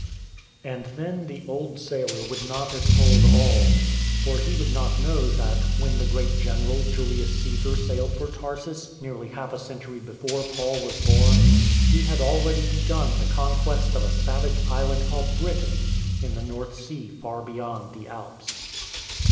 And then the old sailor would not have told all, for he would not know that, when the great general Julius Ccesar sailed for Tarsus, nearly half a century before Paul was born, he had already begun the conquest of a savage island called Britain, in the North Sea far beyond the Alps.